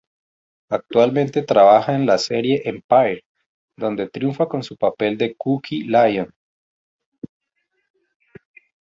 Actualmente trabaja en la serie Empire donde triunfa con su papel de Cookie Lyon.